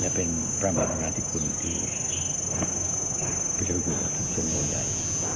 และเป็นประมาณทั้งนั้นที่คุณที่พิจารณีคุณทำส่งโดยใหญ่